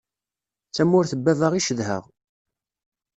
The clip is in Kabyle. D tamurt n baba i cedheɣ.